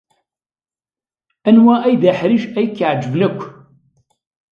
Anwa ay d aḥric ay k-iɛejben akk?